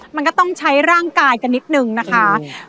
มันก็ต้องใช้ร่างกายกันนิดนึงนะคะ